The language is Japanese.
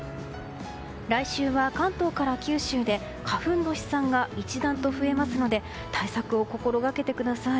来週は関東から九州で花粉の飛散が一段と増えますので対策を心掛けてください。